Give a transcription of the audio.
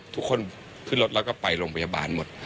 ทุกคนขึ้นรถแล้วก็ไปโรงพยาบาลหมด